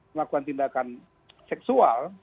melakukan tindakan seksual